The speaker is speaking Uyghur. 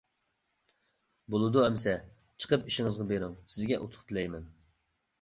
-بولىدۇ ئەمىسە چىقىپ ئىشىڭىزغا بېرىڭ، سىزگە ئۇتۇق تىلەيمەن.